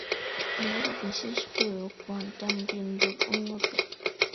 এর বিশেষ প্রয়োগ কোয়ান্টাম বিন্দুর উন্নতি।